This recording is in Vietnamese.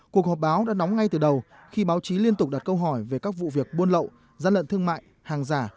cuộc họp báo đã nóng ngay từ đầu khi báo chí liên tục đặt câu hỏi về các vụ việc buôn lậu gian lận thương mại hàng giả